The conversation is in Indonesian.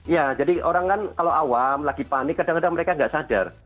ya jadi orang kan kalau awam lagi panik kadang kadang mereka nggak sadar